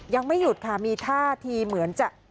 ยังไม่หยุดค่ะมีท่าทีเหมือนจะ